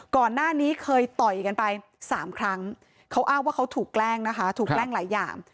ก่อนหน้านี้เคยต่อยกันไปสามครั้งเขาอ้างว่าเขาถูกแกล้งนะคะถูกแกล้งหลายอย่าง